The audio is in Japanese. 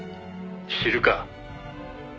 「知るか」